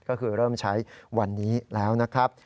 ก็คือเริ่มใช้วันนี้แล้วนะครับ